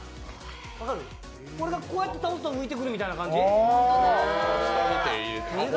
これをこうやって倒すと浮いてくるみたいな感じ？